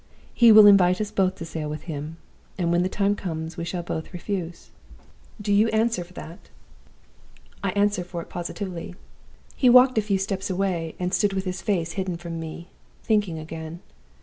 He will invite us both to sail with him; and when the time comes, we shall both refuse.' "'Do you answer for that?' "'I answer for it positively.' "He walked a few steps away, and stood with his face hidden from me, thinking again.